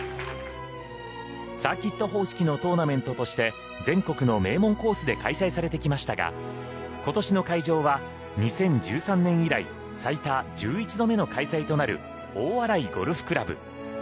サーキット方式のトーナメントとして全国の名門コースで開催されてきましたが今年の会場は２０１３年以来最多１１度目の開催となる大洗ゴルフ倶楽部。